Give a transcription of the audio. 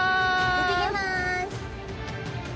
行ってきます！